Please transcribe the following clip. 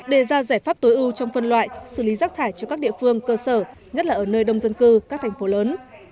đề ra giải pháp tối ưu trong phân loại xử lý rác thải cho các địa phương cơ sở nhất là ở nơi đông dân cư các thành phố lớn